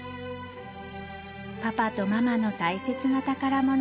「パパとママの大切な宝物」